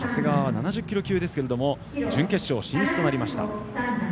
長谷川は７０キロ級ですが準決勝進出となりました。